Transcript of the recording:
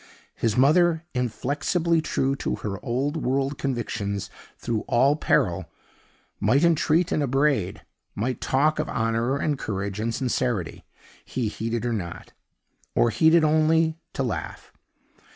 His mother, inflexibly true to her Old World convictions through all peril, might entreat and upbraid, might talk of honor, and courage, and sincerity he heeded her not, or heeded only to laugh.